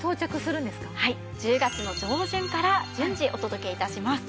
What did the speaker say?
はい１０月の上旬から順次お届け致します。